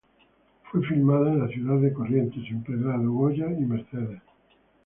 Fue filmada en la ciudad de Corrientes, Empedrado, Goya y Mercedes.